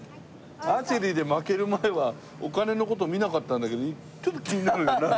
アーチェリーで負ける前はお金の事見なかったんだけどちょっと気になるよな。